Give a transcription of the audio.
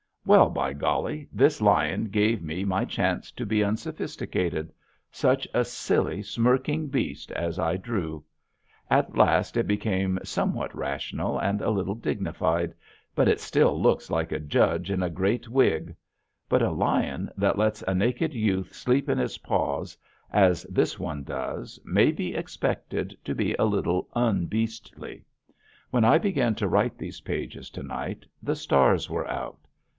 Well, by golly, this lion gave me my chance to be unsophisticated; such a silly, smirking beast as I drew! At last it became somewhat rational and a little dignified, but it still looks like a judge in a great wig. But a lion that lets a naked youth sleep in his paws as this one does may be expected to be a little unbeastly. When I began to write these pages to night the stars were out.